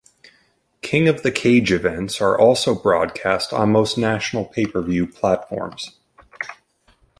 King of The Cage events are also broadcast on most national pay-per-view platforms.